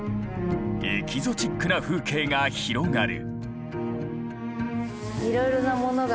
エキゾチックな風景が広がる。